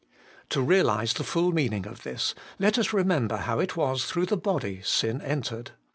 To realize the full meaning of this, let us remember how it was through the body sin entered.